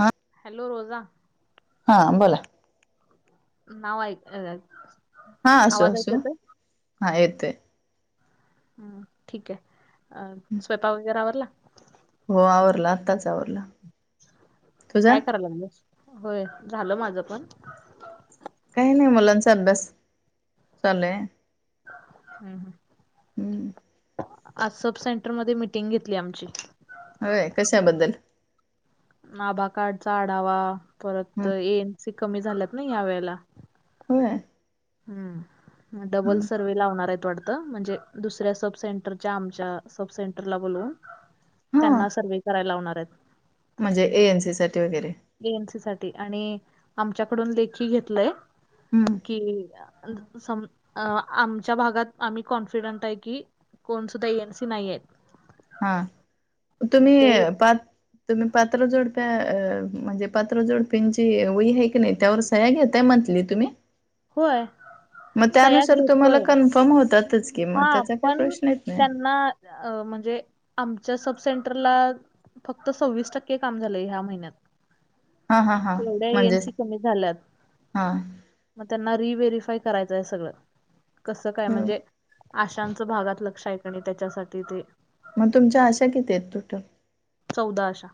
हा हॅलो रोजा हा बोला नाव आहेत हा असू असू, हा येत आहे. ह ठीक आहे, अ स्वयंपाक वगैरे आवरला? हो आवरला आत्ताच आवरला. तुझा काय करायला लागलेस, होय झालं माझं पण काही नाही मुलांचा अभ्यास चालूय हम्म हम. हम्. आज सब सेंटरमध्ये मिटिंग घेतली आमची. व्हय कशाबद्दल? आभा कार्डचा आढावा परत हम्म एनसी कमी झाल्यात ना या वेळेला होय? हम् डबल सर्वे लावणार आहेत वाट त, म्हणजे दुसऱ्या सब सेंटरच्या आमच्या सब सेंटरला बोलून हा त्यांना सर्वे करायला लावणार आहेत. म्हणजे एन सी साठी वगैरे एनसी साठी आणि आमच्याकडून लेखी घेतलंय हम्म की आमच्या भागात आम्ही कॉन्फिडंट आहे की कोणसुद्धा एनसी नाही आहेत. हा मग तुम्ही ते पात तुम्ही पात्र जोडप्या अ म्हणजे पात्रजोडप्यांची वई आहे की नाही त्यावर सह्या घेताय मंथली तुम्ही? [inaudible] मग सह्या त्यानुसार तुम्हाला घेतोय कन्फर्म होतातच की मग हा त्याचा काही पण प्रश्न येत नाही त्यांना अ म्हणजे आमच्या सब सेंटरला फक्त सव्वीस टक्के काम झालंय ह्या महिन्यात. हा हा हा एवढ्या म्हणजेच एएनसी कमी झाल्यात हा मग त्यांना रिव्हेरीफाय करायचंय सगळं कसं काय म्हणजे? आशांचं भागात लक्ष आहे का नाही त्याच्यासाठी ते मग तुमच्या आशा किती आहेत टोटल? चौदा अशा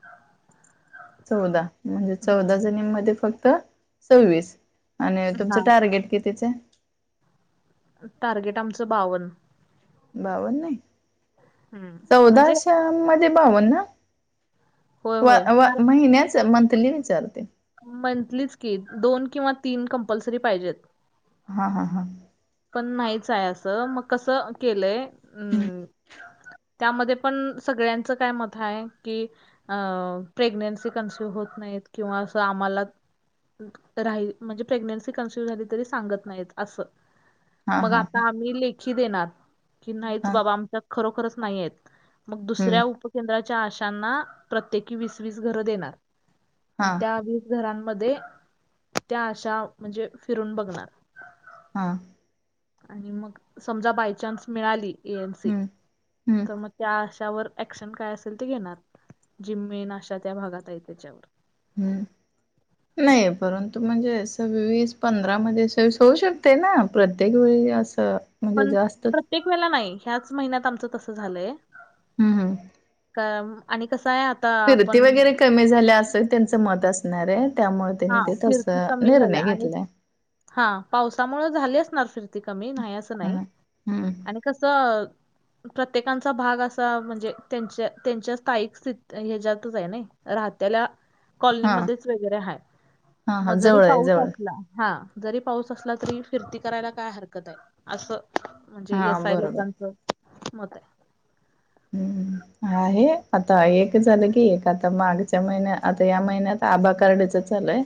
चौदा म्हणजे हम्म. चौदा जणीं मध्ये फक्त सव्वीस आणि तुमचं हा टार्गेट कितीच? टार्गेट आमचं बावन्न बावन्न? हम्म चौदा म्हणजे आशा मध्ये बावन्न? होय व होय व कारण महिन्याच? मंथली विचारते मंथलीच कि दोन किंवा तीन कंपल्सरी पाहिजेत. हा हा हा. पण नाहीच आहे असं मग कसं केलंय हम्म अम् त्यामध्ये पण सगळ्यांचं काय मत आहे की प्रेग्नेन्सी कन्सिव होत नाहीत किंवा अस आम्हाला राहिल म्हणजे प्रेग्नेन्सी कन्सिव झाली तरी सांगत नाहीत असं हा मग हा हा आता आम्ही लेखी देणार की, नाहीच हा बाबा आमच्या खरोखरच नाही आहेत मग हम्म दुसऱ्या उपकेंद्राच्या आशांना प्रत्येकी वीस वीस घरं देणार हा आणि त्या वीस घरांमध्ये त्या अशा म्हणजे फिरून बघणार. हा. आणि मग समजा बाय चान्स मिळाली एनसी हम्म हम्म तर मग त्या आशावर ऍक्शन काय असेल ते घेणार, जि मेन आशा त्या भागात आहे त्याच्यावर हम्. नाही परंतु म्हणजे वीस पंधरा मध्ये सव्वीस होऊ शकते ना? प्रत्येक वेळी असं म्हणजे पण जास्तच प्रत्येक वेळेला नाही ह्याच महिन्यात आमचं तसं झालंय हम् हम का आणि कसं आहे आ फिरती वगैरे कमी झाल्या असं त्यांचं मत असणार आहे त्यामुळे हा त्यांनी ते तस फिरती कमी झाल्या निर्णय आणि घेतलाय हा पावसामुळे झालीचणार फिरती कमी नाही असं हा नाही हम्म आणि कसं प्रत्येकांचा भाग असा म्हणजे त्यांच्या त्यांच्या स्थायिक स्थ ह्याच्यातच आहे ना राहत्याला हा कॉलनीमध्येच वगैरे आहे हा हा मग जरी जवळ आहे पाऊस जवळ असला हा जरी पाऊस असला तरी फिरती करायला काय हरकत आहे असं म्हणजे हा यसय बरोबर लोकांचं मत आहे हम्म आहे आता एक झालं की एक आता मागच्या महिन्यात आता या महिन्यात आभा कडचं चालय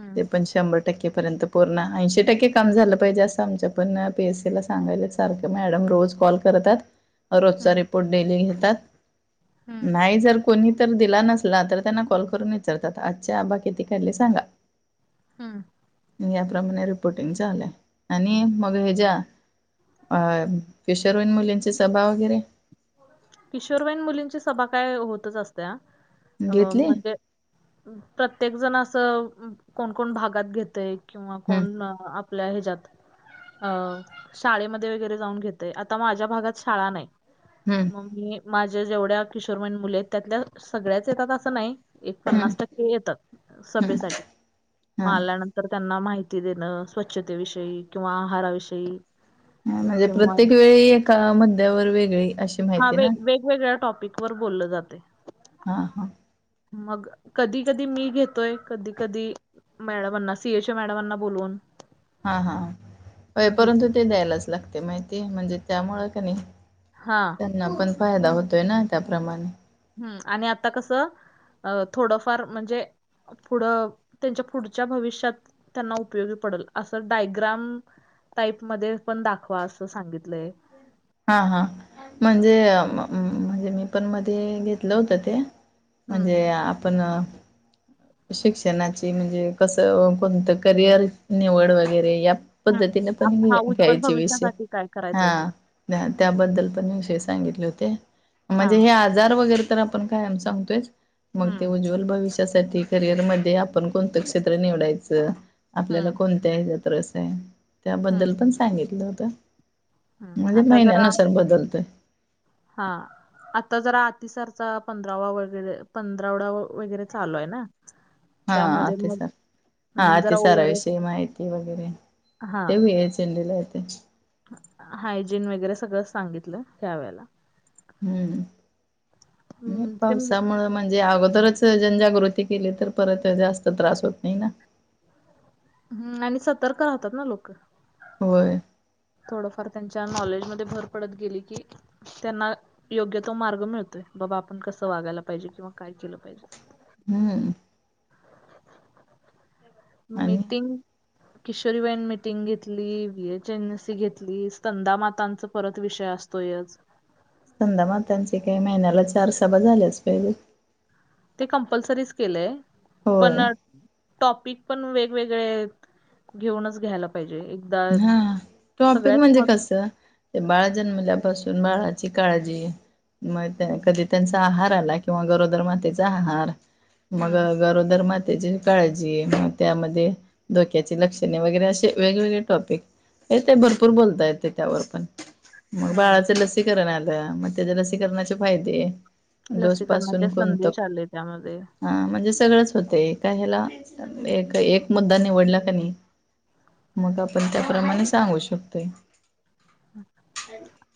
हम्म ते प शंभर टक्केपर्यंत पूर्ण ऐंशी टक्के कम झालं पाहिजे असं आमच्या पण पी एसीला ला सांगायच सारख मॅडम रोज कॉल करतात रोजचा हम्म रिपोर्ट डेली घेतात हम्म नाही जर कोणी तर दिला नसला तर त्यांना कॉल करून विचारतात आजचे आबा किती काढले सांगा हम या प्र्रमाणे रिपोर्टिंग झाचालंय आणि मग हच्या्या. अ फिशरवन मुलींची सभा वगैरे. किशोरबाईन मुलींची सभा काय होतच असत्या अ घेतली म्हणजे प्रत्येक जण असं कोण कोण भागात घेतय किंवा हम्म कोण? आपल्या ह्याच्यात अ शाळेमध्ये वगैरे जाऊन घेतय आता माझ्या भागात शाळा नाही. हम्म मग मी माझ्या जेवढ्या किशोर मयन मुले आहेत त्यातल्या सगळ्याच येतात असं नाही. एक हम्म पन्नास टक्के येतात हम्म सभेसाठी हा मल्याण. तर त्यांना माहिती देणं स्वच्छतेविषयी किंवा आहाराविषयी म्हणजे किंवा प्रत्येक वेळी एका मद्यावर वेगळी अ हा वे वेगवेगळ्या टॉपिक वर बोललं जाते. हा हा. मग कधी कधी मी घेतोय कधी कधी. मॅडमांना सीएच्या मॅडमांना बोलून. हा हाय परंतु ते द्यायलाच लागते माहिती म्हणजे त्यामुळं का नाही. हा त्यांना पण फायदा होतोय ना त्याप्रमाणे. हम् आणि आता कसं थोडंफार म्हणजे. पुढं त्यांच्या पुढच्या भविष्यात त्यांना उपयोगी पडेल असं डायग्राम. टाईप मध्ये पण दाखवा असं सांगितलंय हा हा म्हणजे म्हणजे मी पण मध्ये घेतलं होत ते हम्म म्हणजे आपण शिक्षणाची म्हणजे कसं कोणतं करिअर निवड वगैरे या. हम्म पद्धतीने पण आप- घ हा उज्ज्वल घ्यायचे विषय भविष्यासाठी काय हा करायचंय ते हम्म त्याबद्दल पण हा आजार वगैरे तर आपण काय सांगतोय मग ते हम्म उज्जवल भविष्य करियर म आप कोणत क्ेत्र निवडायच हम्म आपल्यालाण. द्याय जातसं आहे त्याबद्दल हम्म पण सांगितलं होतं हम्म म्हणजे आता जरा महिन्यानुसार बदलतंय. हा आता जरा आतिसारचा पंधरावा वगैरे पंधरावडा वगैरे चालू आहे ना. हा त्यामध्ये मग अतिसार हा हम्म, जरा ओवारे अतिसाराविषयी माहिती वगैरे. हा ते भ या चेंडीला ते हायजीन वगैरे सगळं सांगितलं ह्या वेळेला. हम्म हम्म, ते पावसामुळ म्हणजे अगोदरच. जनजागृती केली तर परत जास्त त्रास होत नाही ना. हम्म आणि सतर्क राहतात ना लोक. होय. थोडंफार त्यांच्या नॉलेजमध्येध्ये भर पडत गेली की. त्यांना योग्य तो मार्ग मिळतोय बाबा आपण कसं वागायला पाहिजे किंवा काय केलं पाहिजे. हम्म. आणि मीटिंग. किशोरी बईन मीटिंग घेतली व ए एनसी घेतली स्कंदा मातांचा परत विषय असत. तहीच. संधा मातचे काही महिन्याला चार सभा झाल्याच पाहिजे. ते कंपल्सरीच केलंय पण. होय टॉपिक पण वेगवेगळे घेऊनच घ्यायला पाहिजे. एकदा हा टॉपिक सगळ्याच म्हणजे कस. महत्व ते बाळ जन्मल्यापासून बाळाची काळजी मग त्या हम्म कधी त्यांचा आहार आला किंवा गरोदर मातेचा आहार मग हम्म गरोदर मातेचे काळजी मग त्यामध्ये धोक्याची लक्षणे वगैरे असे वेगवेगळे. प ते भरपूर बोलता येत त्यावर पण मग हम्म बाळाच ल लसीकरण आलं मग त्याचे लसीकरणाचे फायदे. डोस लसीकरणाचे पासून कोणतं संदेश आले त्यामध्ये हा म्हणजे सगळंच होते का ह्याला एक एक मुद्दा निवडला का नाही. मग आपण त्याप्रमाणे सांगू शकतोय.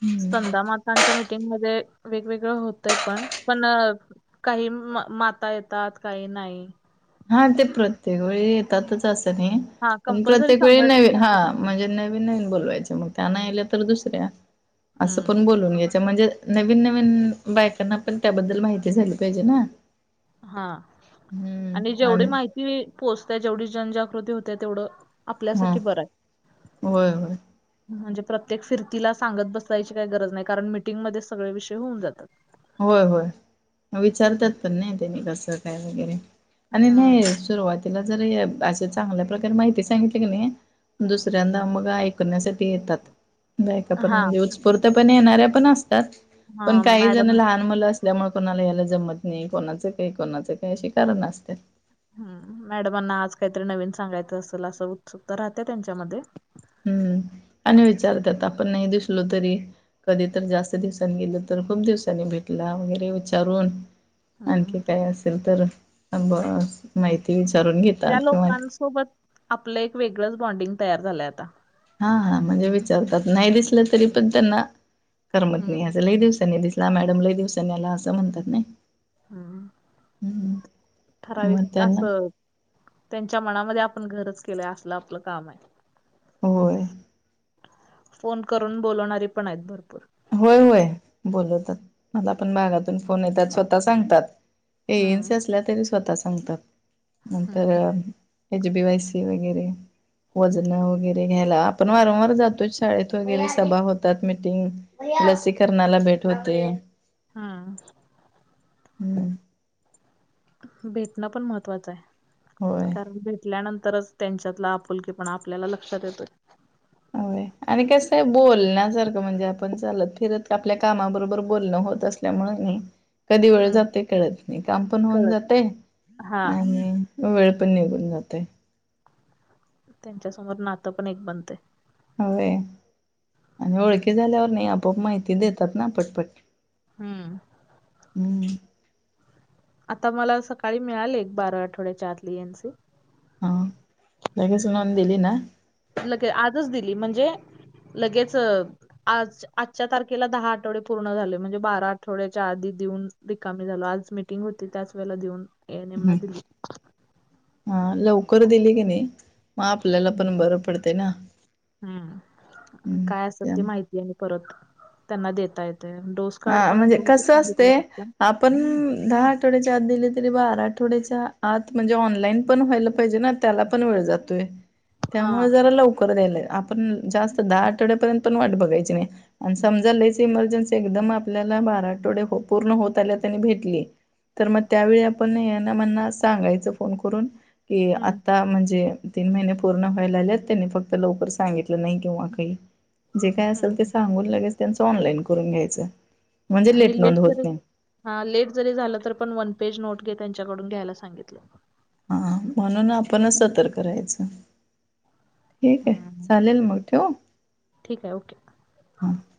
हम्म स्तंनदा मात. त्यांच्या मीटिंगमध्ये वेगवेगळं होतय पण पण काही माता येतात काही नाही. हा ते प्रत्येक वेळी येतातच असं नाही हा पण कंपल्सरी प्रत्येक वेळी शंभर नवीन टक्के हा असतात आपली. म्हणजे न नवीन बोलवायच्या त्या म त्या नाही आल्या त दुसऱ्या अस हम्म पण बोलउन घ्यायच. म्हणजे नवीन नवीन बायकांना पण त्याबद्दल माहिती झाली पाहिजे ना. हा आणि जेवढी माहिती पोहोचत जेवढी जनजागृती होत तेवढं हा आपल्यासाठी बरं होय आहे. होय. म्हणजे प्रत्येक फिरतीला सांगत बससायची काही गरज नाही कारण मिीटिंगमध्येध्ये सगळे विषय होऊन जातात. होय होय विचारतात पण नाही ते म कसं काय वगैरे आणि हम्म. नाही सुरुवातीला जर असे चांगल्या प्रकारे माहिती सांगितली की नाही. दुसऱ्यांदा मग ऐकण्यासाठी येतात. बायका पण हा म्हणजे उत्स्फूर्त पण येणाऱ्या पण असतात पण हा काही मॅडम लाहान मुलं असल्यामुळे कोणाला यायला जमत नाही कोणाचं काही कोणाचं काही असे कारण असत ह मॅडमांना आज काहीतरी नवीन सांगायचं असेल असं उत्सुकता राहते त्यांच्यामध्ये हम्म आणि विचारतत आपण नाही दिसलो तरी कधी तर जास्त दिवसांनी गेलं तर खूप दिवसांनी भेटला वगैरे विचारून हम्म आणखी काय असेल तर माहिती विचारून घेत त्या लोकांसोबत आपलं एक वेगळंच बॉन्डिंग तयार झालंय आता. हा हा म्हणजे विचारतात नाही दिसलं तरी पण त्यांना करमत हम्म. नाही असलही दिवसांनी दिस आपला मॅडम लइ दिवसानी आले असं म्हणतात नाही. हम् मग ठराविक अस. त्यांना त्यांच्या मनामध्ये आपण घरच केलंय असलं आपलं काम आहे. होय. फोन करून बोलवणारी पण आहेत भरपूर. होय होय बोलवतात मला पण भागातून फोन येतात स्वतः सांगतात. ए एन हम्म सस ला तरी स्वतः सांगतात. नंतर हम्म. एच बी वाय सी वगैरे. वजनं वगैरे घ्यायला आपण वारंवार जातो शाळेत वगैरे सभा होतात मिटिंग लसीकरणाला भेट होते. हा. हम्म. भेटणं पण महत्त्वाचं आहे होय कारण भेटल्यानंतर तरच त्यांच्यातला आपुलकीेपण आपल्याला लक्षात येतोय. होय आणि कसं आहे बोलण्यासारखं म्हणजे आपण चालत फिरत आपल्या कामाबरोबर बोलणं होत अस त्यामुळे म कधी वेळ हम्म जातय कळत नाही काम पण होऊन कळत जाते हा आणि वेळ पण निघून जातय. त्यांच्यासमोर नातं पण एक बनतय. होय आणि ओळखी झाल्यावर नाही आपआप माहिती देतात ना पटपट. हम्म. हम्म. आता मला सकाळी मिळाली एक बारा आठवड्याच्या आतली एन सी. हा लगेच ऑन दिली ना. लगे आजच दिली म्हणजे लगेच अ आज आजच्या तारखेला दहा आठवडे पूर्ण झाले म्हणजे बारा आठवड्याच्या आधी देऊन रिकामी झालो आज मीटिंग होती त्याच वेळेला देऊन ए एन एम ला हम्म दिली. हा लवकर दिली की नाही मग आपल्याला हम्म पण बरं पडतंय ना. हम्म काय असेल ते माहिती आहे परत त्यांना देता येते डोस कार्ड हा पण म्हणजे द्या असं कसं असते सांगितलं फक्त आप पण दहा आठवड्याच्या आत दिली तरी बारा आठवड्याच्या आत म्हणजे ऑनलाईन पण व्हायला पाहिजे ना त्याला पण वेळ जातोय [inaudible] त्यामुळे जरा लवकर द्यायला आप पण जास्त दहा आठवडपर्यंत पण वाट बघायची नाही समजा लईच इमर्जन्सी आ एकदम आपल्याला बारा आठवडे पूर्ण होत आल्या त्यांनी भेटली. तर मग त्यावेळी आपण ना मना सांगायचं फोन करून की हम्म आता म्हणजे तीन महिने पूर्ण व्हायला आलेत त्यांनी फक्त लवकर सांगितलं नाही किंवा काही जे काय असेल ते हम्म सांगून लगेच त्यांचं ऑनलाईन करून घ्याय आणि लेट जरी हा लेट जरी झालं तर पण वन पेज नोट घे त्यांच्याकडून घ्यायला सांगितले. हा म्हणून आपणच, सतर्क राहायच. ठीक आहे हम्म चालेल मग ठेवू ठीक आहे ओके. [inaudible]